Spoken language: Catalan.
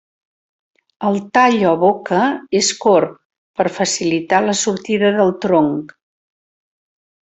El tall o boca és corb, per facilitar la sortida del tronc.